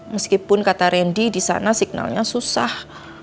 meskipun kata randy disana signalnya susah